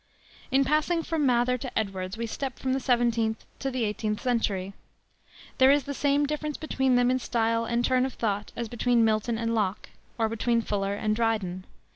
In passing from Mather to Edwards, we step from the seventeenth to the eighteenth century. There is the same difference between them in style and turn of thought as between Milton and Locke, or between Fuller and Dryden.